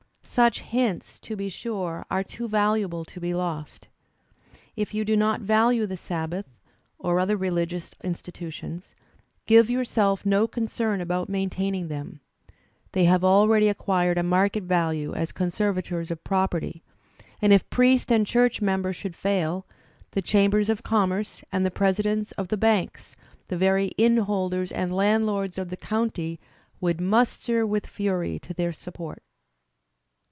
Such hints, be sure, are too valuable to be lost. If you do not value the Sabbath, or other religious institu tions, give yourself no concern about maintaining them. Digitized by Google EMERSON 51 They have aheady acquired a market value as conservators of property; and if priest and church member should fail, the chambers of conmierce and the presidents of the banks, the very innholders and laiitdlords of the county, would muster with fury to their support."